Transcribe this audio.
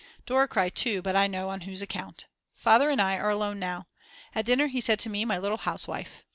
Dora cried too, but I know on whose account. Father and I are alone now. At dinner he said to me: "My little housewife."